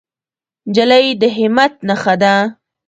نجلۍ د همت نښه ده.